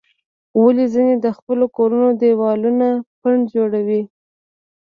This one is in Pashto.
ولې ځینې د خپلو کورونو دیوالونه پنډ جوړوي؟